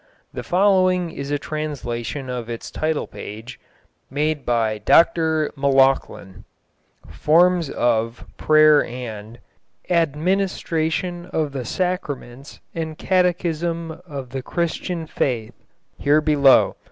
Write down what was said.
The following is a translation of its title page, made by Dr M'Lauchlan: FORMS OF Prayer and administration of the sacraments and catechism of the Christian faith, here below.